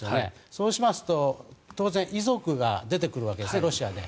そうしますと当然、遺族が出てくるわけですね、ロシアで。